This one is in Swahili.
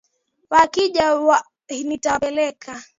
Wakija nitawapeleka.